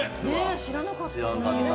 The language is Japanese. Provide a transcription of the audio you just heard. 知らなかった。